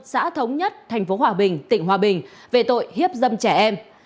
xã thống nhất tp hòa bình tỉnh hòa bình về tội hiếp dâm trẻ em